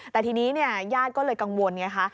แต่ทีนี้ญาติก็เลยกังวลไงคะ